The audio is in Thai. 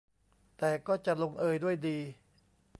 แต่ก็จะลงเอยด้วยดี